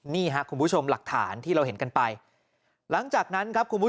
นี่ครับคุณผู้ชมหลักฐานที่เราเห็นกันไปหลังจากนั้นครับคุณผู้ชม